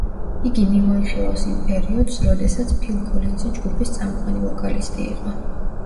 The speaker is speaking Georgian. იგი მიმოიხილავს იმ პერიოდს, როდესაც ფილ კოლინზი ჯგუფის წამყვანი ვოკალისტი იყო.